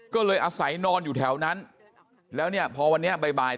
ก็เลยอาศัยนอนอยู่แถวนั้นแล้วเนี่ยพอวันนี้บ่าย